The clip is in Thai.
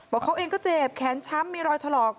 เขาเองก็เจ็บแขนช้ำมีรอยถลอก